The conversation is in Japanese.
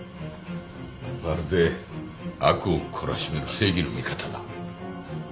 まるで悪を懲らしめる正義の味方だ。